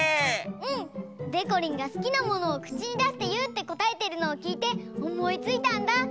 うん！でこりんが「すきなものをくちにだしていう」ってこたえてるのをきいておもいついたんだ！